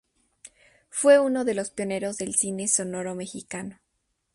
Fue uno de los pioneros del cine sonoro mexicano.